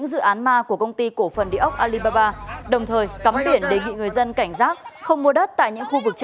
xin chào các bạn